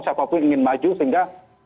siapapun ingin maju sehingga